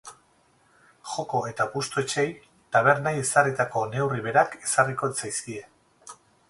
Joko eta apustu etxeei tabernei ezarritako neurri berak ezarriko zaizkie.